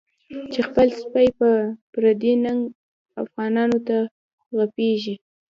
چی خپل سپی په پردی ننگه، افغانانوته غپیږی